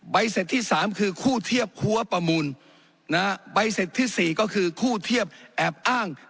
เสร็จที่สามคือคู่เทียบหัวประมูลนะฮะใบเสร็จที่๔ก็คือคู่เทียบแอบอ้าง